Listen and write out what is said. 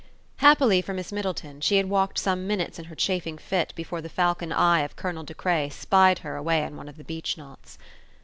Happily for Miss Middleton, she had walked some minutes in her chafing fit before the falcon eye of Colonel De Craye spied her away on one of the beech knots.